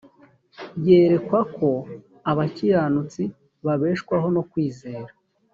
yerekwa ko abakiranutsi babeshwaho no kwizera